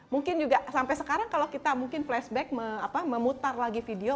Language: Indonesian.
mungkin juga sampai sekarang kalau kita mungkin flashback memutar lagi video